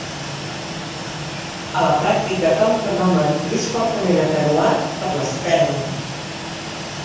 A la pràctica tal fenomen és fortament atenuat per les pèrdues.